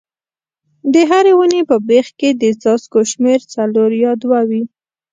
د هرې ونې په بیخ کې د څاڅکو شمېر څلور یا دوه وي.